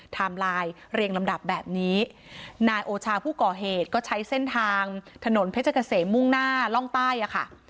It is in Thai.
ไลน์เรียงลำดับแบบนี้นายโอชาผู้ก่อเหตุก็ใช้เส้นทางถนนเพชรเกษมมุ่งหน้าล่องใต้อ่ะค่ะ